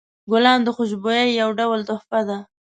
ګلان د خوشبویۍ یو ډول تحفه ده.